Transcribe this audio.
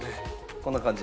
こんな感じで。